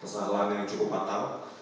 kesalahan yang cukup patah